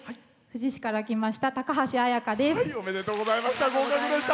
富士市から来ましたたかはしです。